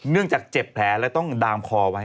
จากเจ็บแผลแล้วต้องดามคอไว้